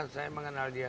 saya mengenal dia